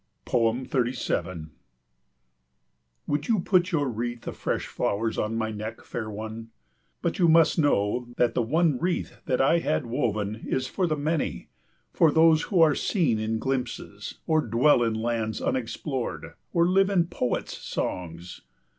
37 Would you put your wreath of fresh flowers on my neck, fair one? But you must know that the one wreath that I had woven is for the many, for those who are seen in glimpses, or dwell in lands unexplored, or live in poets' songs.